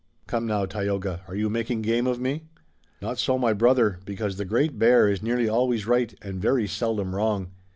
"Come now, Tayoga, are you making game of me?" "Not so, my brother, because the Great Bear is nearly always right and very seldom wrong.